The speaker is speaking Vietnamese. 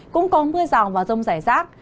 cũng có mưa rào và rông rải rác